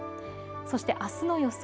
そして、あすの予想